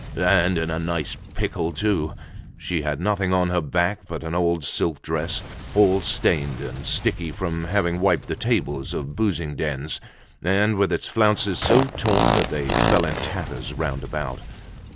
And in a nice pickle too! She had nothing on her back but an old silk dress, all stained and sticky from having wiped the tables of boozing dens, and with its flounces so torn that they fell in tatters round about.